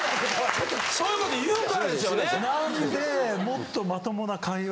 そういうこと言うからですよね。